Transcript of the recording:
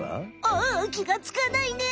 あっきがつかないね。